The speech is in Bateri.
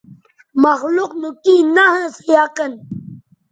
مخلوق نو کیں نہ ھویں سو یقین